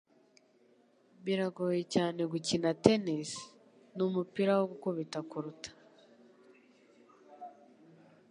Biragoye cyane gukina tennis numupira wo gukubita kuruta